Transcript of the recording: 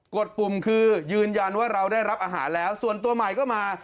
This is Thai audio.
ดปุ่มคือยืนยันว่าเราได้รับอาหารแล้วส่วนตัวใหม่ก็มา